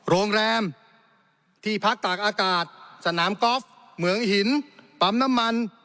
โรงแรมที่พักตากอากาศสนามกอล์ฟเหมืองหินปั๊มน้ำมัน